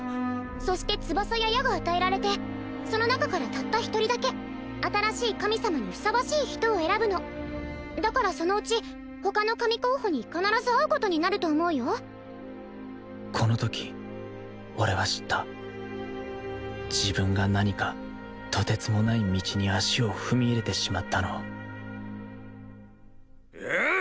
そして翼や矢が与えられてその中からたった一人だけ新しい神様にふさわしい人を選ぶのだからそのうち他の神候補に必ず会うことになると思うよこのとき俺は知った自分が何かとてつもない道に足を踏み入れてしまったのをああっ？